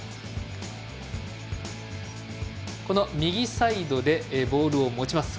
右サイドでボールを持ちます。